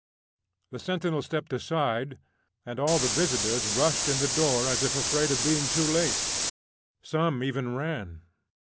The sentinel stepped aside, and all the visitors rushed to the door as if afraid of being too late; some even ran.